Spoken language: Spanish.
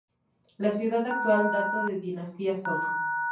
La ciudad actual dató de dinastía Song.